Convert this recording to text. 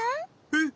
えっ！